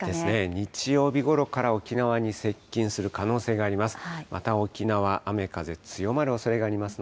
日曜日ごろから沖縄に接近する可能性があります。